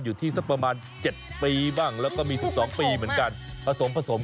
อยู่ที่สักประมาณ๗ปีบ้างแล้วก็มี๑๒ปีเหมือนกันผสมกันไป